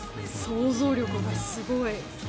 想像力がすごい。